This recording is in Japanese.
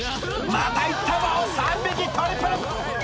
またいったぞ３匹トリプル！